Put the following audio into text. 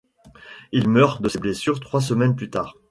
Il meurt de ses blessures trois semaines plut tard.